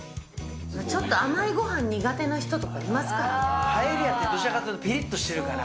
ちょっと甘いごはん苦手な人パエリアって、どちらかというと、ぴりっとしてるから。